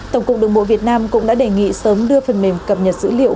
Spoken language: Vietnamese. tổng cục đường bộ việt nam cũng đã đề nghị sớm đưa phần mềm cập nhật dữ liệu